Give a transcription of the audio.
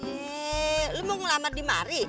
yee lu mau ngelamar di mari